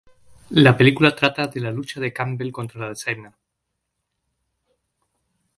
La película trata de la lucha de Campbell contra el Alzheimer.